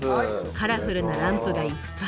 カラフルなランプがいっぱい。